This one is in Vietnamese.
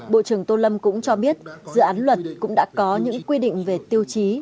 bộ trưởng tô lâm cũng cho biết dự án luật cũng đã có những quy định về tiêu chí